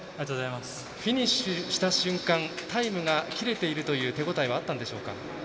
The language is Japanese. フィニッシュした瞬間タイムが切れているという手応えはあったんでしょうか？